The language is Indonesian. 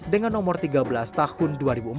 dengan nomor tiga belas tahun dua ribu empat